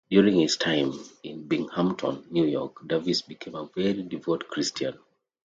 During his time in Binghamton, New York, Davis became a very devout Christian.